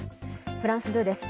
フランス２です。